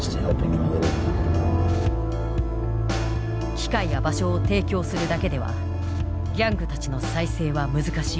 機会や場所を提供するだけではギャングたちの再生は難しい。